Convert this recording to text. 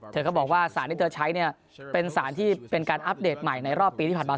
เธอก็บอกว่าสารที่เธอใช้เนี่ยเป็นสารที่เป็นการอัปเดตใหม่ในรอบปีที่ผ่านมา